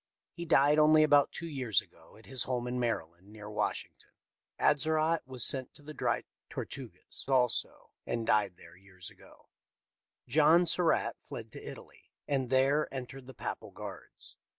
He died only about two years ago at his home in Maryland, near Washington. Atzerodt was sent to the Dry Tortugas also, and died there years ago. John Surra.tt fled to Italy, and there entered the Papal guards.